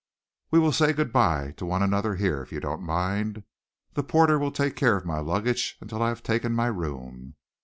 "We will say good bye to one another here, if you don't mind. The porter will take care of my luggage until I have taken my room."